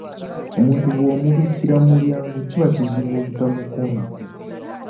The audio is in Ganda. Omuntu bw'omubuukira mu mulyango, kiba kizibu obutamukoonako.